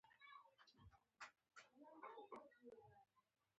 مور مې د کچالو سره خبرې کوي.